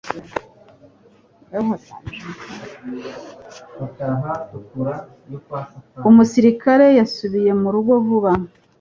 Umusirikare yasubiye mu rugo vuba